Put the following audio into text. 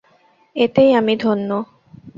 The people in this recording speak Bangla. এতেই আমি ধন্য।